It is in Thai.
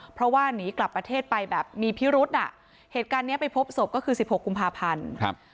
เพราะว่าหนีกลับประเทศไปแบบมีพิรุษอ่ะเหตุการณ์เนี้ยไปพบศพก็คือสิบหกกุมภาพันธ์ครับ